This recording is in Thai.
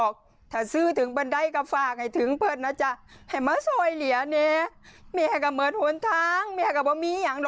คือคุณแม่เครตจริง